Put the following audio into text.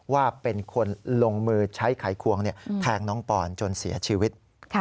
ว่าเป็นคนลงมือใช้ไขควงแทงน้องปอนจนเสียชีวิต